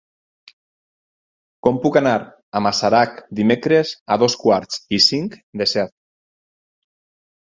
Com puc anar a Masarac dimecres a dos quarts i cinc de set?